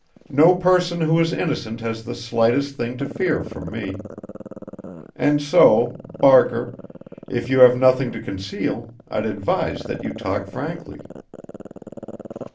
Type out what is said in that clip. No person who is innocent has the slightest thing to fear from me. And so Barker if you have nothing to conceal, I'd advise that you talk frankly."